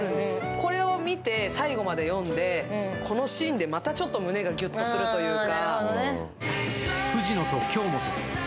これを見て最後まで読んで、このシーンでまたちょっと胸がキュッとするというか。